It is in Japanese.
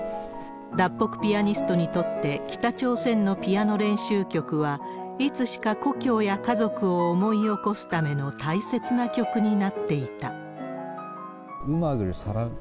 脱北ピアニストにとって、北朝鮮のピアノ練習曲は、いつしか故郷や家族を思い起こすための大切な曲になっていた。